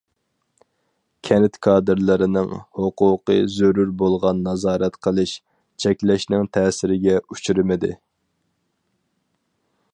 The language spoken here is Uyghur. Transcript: كەنت كادىرلىرىنىڭ ھوقۇقى زۆرۈر بولغان نازارەت قىلىش، چەكلەشنىڭ تەسىرىگە ئۇچرىمىدى.